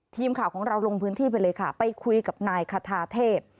ทีมข่าวของเราลงพื้นที่ไปเลยค่ะไปคุยกับนายคาทาเทพ